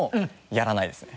やらないですね。